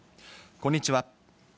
こんにちは。